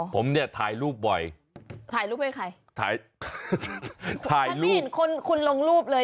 ผมถ่ายรูปบ่อย